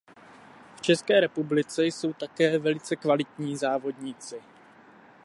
V České republice jsou také velice kvalitní závodníci.